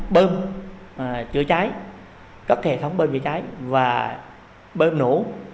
bơm chữa cháy các hệ thống bơm bị cháy và bơm nổ